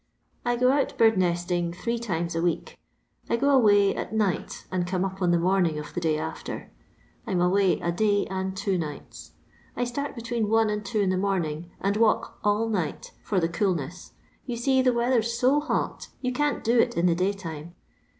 I go out bird nesting three times a week. I go away at night, and come op on the morning of the day after. I 'm awsy s day and two nights. I start between one and two in the morning and walk all night — for the cookesa — ^you see the weather *s ao hot you can't LONDON LABOUR AND TBE LONDON POOR. 78 do it in the dAytime.